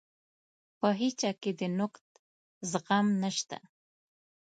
په هیچا کې د نقد زغم نشته.